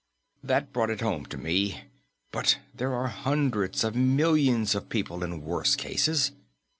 That brought it home to me; but there are hundreds of millions of people in worse cases.